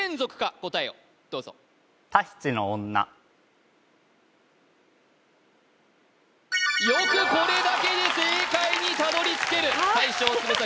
答えをどうぞよくこれだけで正解にたどりつける大将鶴崎